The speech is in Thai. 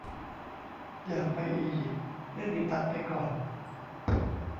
อยากไปอียิปต์ เล่นอีตักไปก่อน